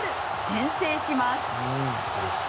先制します。